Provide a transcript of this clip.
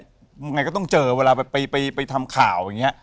ยังไงก็ต้องเจอเวลาแบบไปทำข่าวอย่างนี้